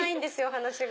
話が。